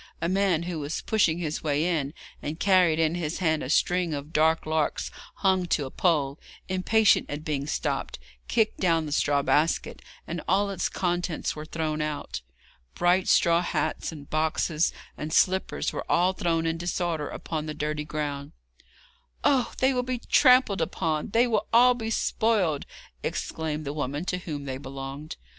A man who was pushing his way in, and carried in his hand a string of dead larks hung to a pole, impatient at being stopped, kicked down the straw basket, and all its contents were thrown out. Bright straw hats, and boxes, and slippers, were all thrown in disorder upon the dirty ground. 'Oh, they will be trampled upon! They will all be spoiled!' exclaimed the woman to whom they belonged.